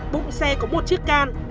bụng xe có một chiếc can